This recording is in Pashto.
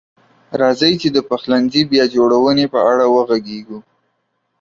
راځئ چې د پخلنځي بیا جوړونې په اړه وغږیږو.